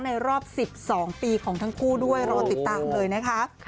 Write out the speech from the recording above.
รอบ๑๒ปีของทั้งคู่ด้วยรอติดตามเลยนะคะ